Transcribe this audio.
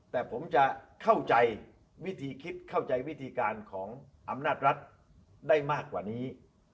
แต่ผมจะเข้าใจวิธีคิดเข้าใจวิธีการของอำนาจรัฐได้มากกว่านี้